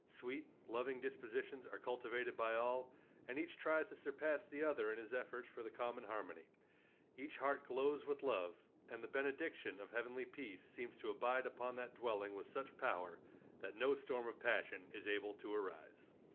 Sweet, loving dispositions are cultivated by all, and each tries to surpass the other in his efforts for the common harmony. Each heart glows with love, and the benediction of heavenly peace seems to abide upon that dwelling with such power that no storm of passion is able to rise.